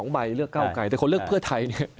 ๒ใบเลือกก้าวกายแต่คนเลือกเพื่อไทย